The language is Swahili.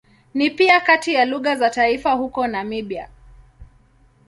Ni pia kati ya lugha za taifa huko Namibia.